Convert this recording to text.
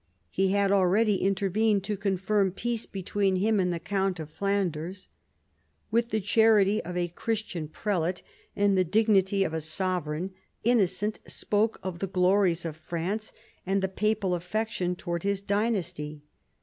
He had already intervened to confirm peace between him and the count of Flanders. With the charity of a Christian prelate and the dignity of a sovereign, Innocent spoke of the glories of France, and the papal affection towards his dynasty.